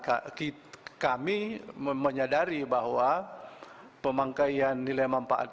dan kami menyadari bahwa pemakaian nilai manfaat